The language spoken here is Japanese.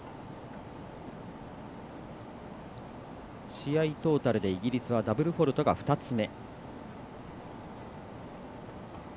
試合トータルでイギリスはダブルフォールトが２つ目。